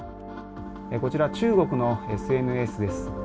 こちら、中国のＳＮＳです。